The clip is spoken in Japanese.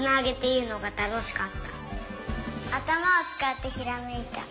あたまをつかってひらめいた。